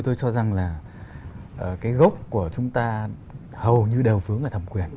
tôi cho rằng là cái gốc của chúng ta hầu như đều vướng ở thẩm quyền